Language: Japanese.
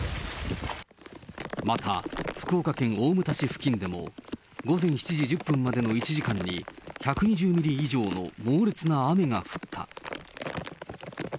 また、福岡県大牟田市付近でも、午前７時１０分までの１時間に、１２０ミリ以上の猛烈な雨が降った。